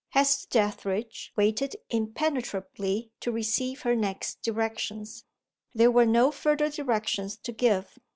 Hester Dethridge waited impenetrably to receive her next directions. There were no further directions to give.